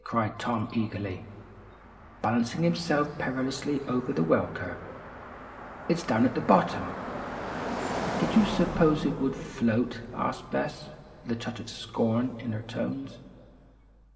cried Tom eagerly, balancing himself perilously over the well curb. "It's down at the bottom!" "Did you suppose it would float?" asked Bess, with a touch of scorn in her tones.